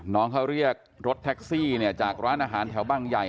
น้องเขาเรียกรถแท็กซี่เนี่ยจากร้านอาหารแถวบางใหญ่